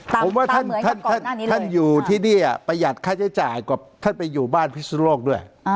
ผมว่าท่านอยู่ที่นี่ประหยัดค่าใช้จ่ายกว่าท่านไปอยู่บ้านพิศนุโลกด้วย